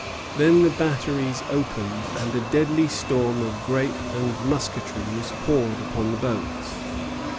Then the batteries opened, and a deadly storm of grape and musketry was poured upon the boats.